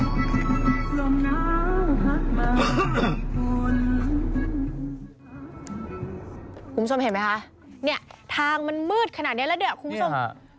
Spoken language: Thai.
คุณผู้ชมเห็นไหมคะเนี่ยทางมันมืดขนาดนี้แล้วเนี่ยคุณผู้ชม